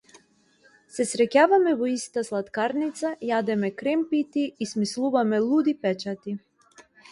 Се среќаваме во иста слаткарница, јадеме кремпити и смислуваме луди печати.